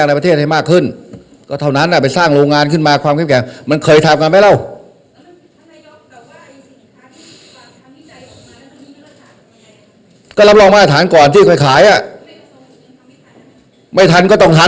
เนี้ยสมัครสมสรแล้วให้ถามแบบเนี้ยโอ้โหรู้ทุกเรื่องอ่ะ